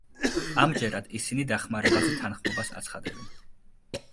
ამჯერად ისინი დახმარებაზე თანხმობას აცხადებენ.